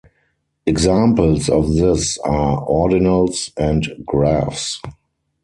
Examples of this are ordinals and graphs.